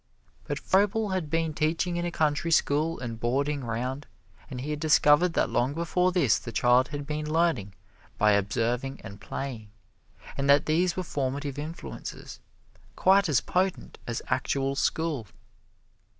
But Froebel had been teaching in a country school and boarding 'round, and he had discovered that long before this the child had been learning by observing and playing, and that these were formative influences, quite as potent as actual school.